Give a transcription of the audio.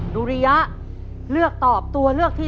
ริยะเลือกตอบตัวเลือกที่๓